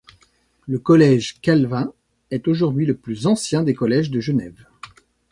Le Collège Calvin est aujourd'hui le plus ancien des Collèges de Genève.